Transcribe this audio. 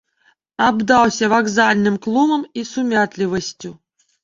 Абдаўся вакзальным клумам і сумятлівасцю.